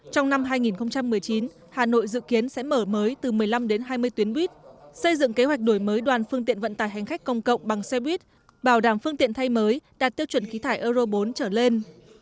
trong năm hai nghìn một mươi chín hà nội dự kiến sẽ mở mới từ một mươi năm đến hai mươi tuyến buýt xây dựng kế hoạch đổi mới đoàn phương tiện vận tải hành khách công cộng bằng xe buýt bảo đảm phương tiện thay mới đạt tiêu chuẩn khí thải euro bốn trở lên